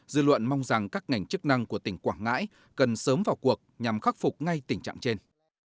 dư luận mong rằng các ngành chức năng của tỉnh quảng ngãi cần sớm vào cuộc nhằm khắc phục ngay tình trạng trên